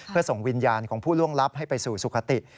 เพื่อส่งวิญญาณของผู้ล่วงลับให้ไปสู่สุขติ